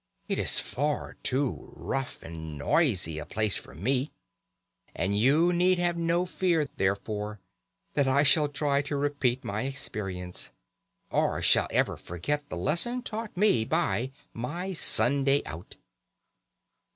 It is far too rough and noisy a place for me, and you need have no fear, therefore, that I shall try to repeat my experience, or shall ever forget the lesson taught me by 'my Sunday out'."